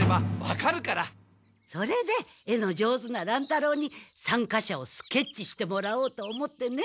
それで絵の上手な乱太郎にさんか者をスケッチしてもらおうと思ってね。